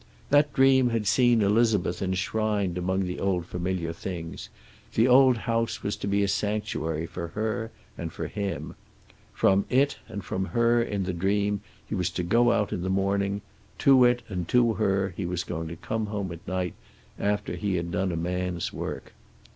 That dream had seen Elizabeth enshrined among the old familiar things; the old house was to be a sanctuary for her and for him. From it and from her in the dream he was to go out in the morning; to it and to her he was to come home at night, after he had done a man's work.